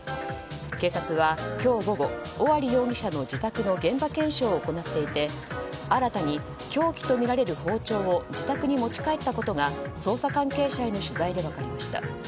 警察は、今日午後尾張容疑者の自宅の現場検証を行っていて新たに凶器とみられる包丁を自宅に持ち帰ったことが捜査関係者への取材で分かりました。